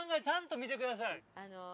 ちゃんと見てください。